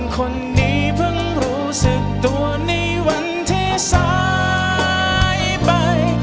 คนนี้เพิ่งรู้สึกตัวในวันที่สายไป